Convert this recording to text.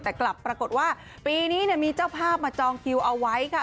แต่กลับปรากฏว่าปีนี้มีเจ้าภาพมาจองคิวเอาไว้ค่ะ